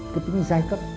cái tính giai cấp